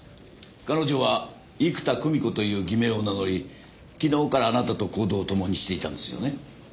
彼女は生田くみ子という偽名を名乗り昨日からあなたと行動を共にしていたんですよね？